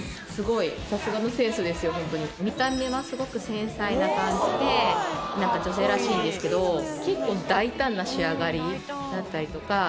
見た目はすごく繊細な感じでなんか女性らしいんですけど結構大胆な仕上がりだったりとか。